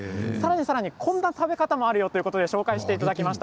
さらに、こんな食べ方もあるよということでご紹介していただきました。